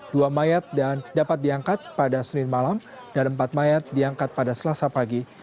dua mayat dan dapat diangkat pada senin malam dan empat mayat diangkat pada selasa pagi